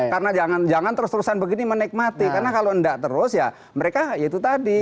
karena jangan terus terusan begini menikmati karena kalau tidak terus ya mereka ya itu tadi